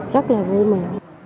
rất là vui mẹ